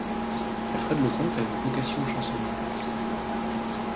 Alfred Leconte a une vocation de chansonnier.